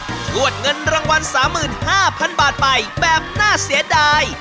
ชวดเงินรางวัล๓๕๐๐๐บาทไปแบบน่าเสียดาย